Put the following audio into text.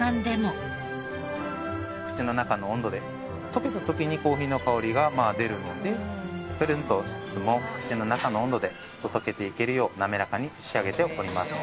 口の中の温度で溶けた時にコーヒーの香りが出るのでプルンとしつつも口の中の温度でスッと溶けていけるようなめらかに仕上げております。